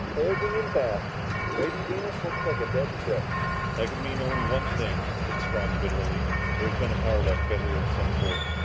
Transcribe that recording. "Closing in fast. Lady Venus looks like a dead ship." "That could only mean one thing," said Strong bitterly. "There has been a power deck failure of some sort."